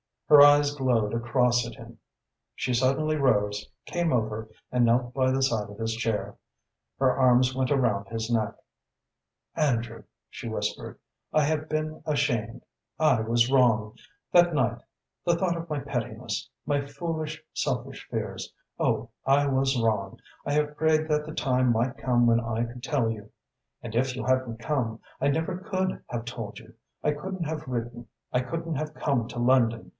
Her eyes glowed across at him. She suddenly rose, came over and knelt by the side of his chair. Her arms went around his neck. "Andrew," she whispered, "I have been ashamed. I was wrong. That night the thought of my pettiness my foolish, selfish fears. Oh, I was wrong! I have prayed that the time might come when I could tell you. And if you hadn't come, I never could have told you. I couldn't have written. I couldn't have come to London.